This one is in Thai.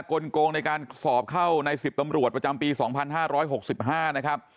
ลงในการสอบเข้าใน๑๐ตำรวจประจำปี๒๕๖๕นะครับ